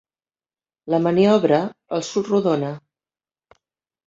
La maniobra els surt rodona.